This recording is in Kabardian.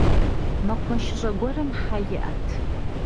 Мэкъумэшыщӏэ гуэрым хьэ иӏэт.